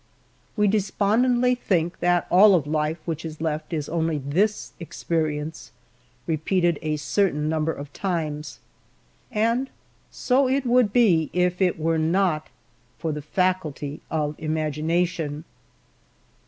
We despondingly think that all of life which is left is only this experience repeated a certain number of times, and so it would be, if it were not for the faculty of imagination.